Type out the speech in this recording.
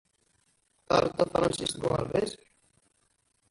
Teqqared tafṛensist deg uɣerbaz?